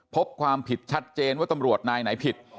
พบความผิดชัดเจนว่าตำรวจนายไหนผิด